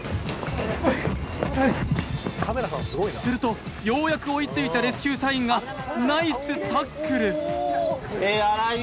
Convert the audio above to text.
すると、ようやく追いついたレスキュー隊員がナイスタックル。